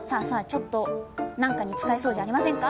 ちょっと何かに使えそうじゃありませんか？